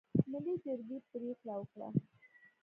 ملي جرګې پرېکړه وکړه.